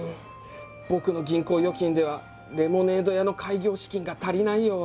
僕の銀行預金ではレモネード屋の開業資金が足りないよ。